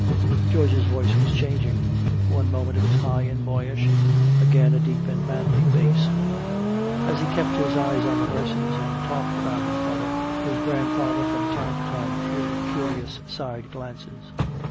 George's voice was changing. One moment it was high and boyish, again a deep and manly bass. As he kept his eyes on the horses and talked about his mother, his grandfather from time to time threw curious side glances.